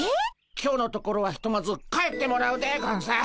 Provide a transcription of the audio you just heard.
今日のところはひとまず帰ってもらうでゴンス。